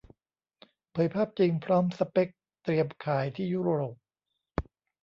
เผยภาพจริงพร้อมสเปกเตรียมขายที่ยุโรป